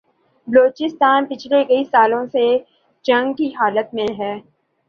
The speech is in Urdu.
بلوچستان پچھلے کئی سالوں سے جنگ کی حالت میں ہے